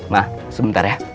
ma sebentar ya